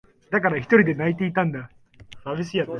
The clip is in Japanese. だから、ひとりで泣いていたんだ。